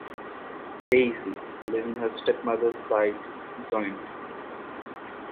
Daisy, leaving her stepmother's side, joined him.